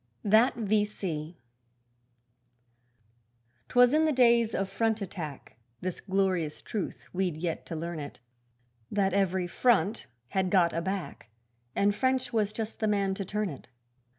That V.C. 'Twas in the days of front attack, This glorious truth we'd yet to learn it That every 'front' had got a back, And French was just the man to turn it.